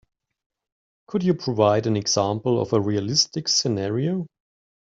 Could you provide an example of a realistic scenario?